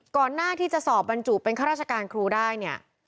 ก่อนหน้าที่จะสอบบรรจุเป็นข้าราชการครูได้เนี่ย